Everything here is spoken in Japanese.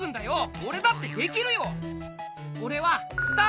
オレだってできるよ！